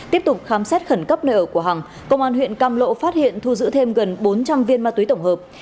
tiếp tục khám xét khẩn cấp nơi ở của hằng công an huyện cam lộ phát hiện thu giữ thêm gần bốn trăm linh viên ma túy tổng hợp